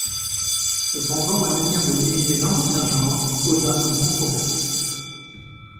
Cependant, la manière de diviser l'ancien genre causa une controverse.